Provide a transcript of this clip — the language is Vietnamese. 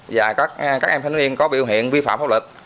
và các em thanh niên có biểu hiện vi phạm pháp lực